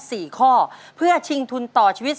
สี่ข้อเพื่อชิงทุนต่อชีวิต